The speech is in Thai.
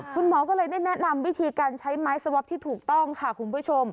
คุณหมอก็เลยได้แนะนำวิธีการใช้ไม้สวอปที่ถูกต้องค่ะคุณผู้ชม